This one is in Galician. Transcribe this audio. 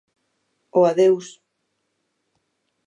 O adeus.